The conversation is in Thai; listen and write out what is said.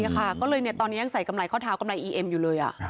ก็เลยตอนนี้ยังใส่กำไรข้อเท้ากำไรอีเอ็มอยู่เลย